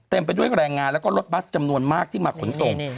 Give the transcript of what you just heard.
ไปด้วยแรงงานแล้วก็รถบัสจำนวนมากที่มาขนส่ง